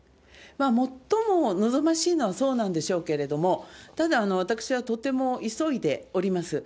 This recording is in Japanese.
最も望ましいのはそうなんでしょうけれども、ただ、私はとても急いでおります。